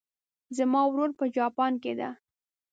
زما ورور په جاپان کې ده